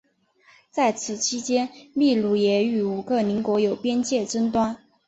在此期间秘鲁也与五个邻国有边界争端。